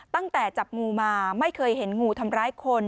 จับงูมาไม่เคยเห็นงูทำร้ายคน